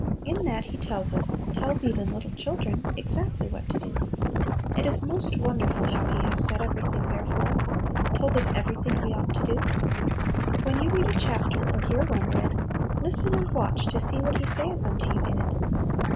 In that He tells us, tells even little children, exactly what to do. It is most wonderful how He has said everything there for us, told us everything we ought to do. When you read a chapter or hear one read, listen and watch to see what He saith unto you in it.